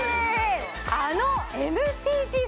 あのＭＴＧさん